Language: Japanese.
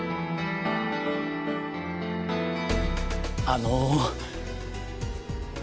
あの。